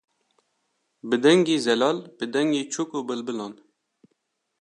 bi dengê zelal, bi dengê çûk û bilbilan